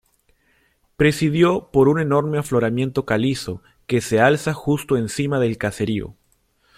Presidido por un enorme afloramiento calizo que se alza justo encima del caserío.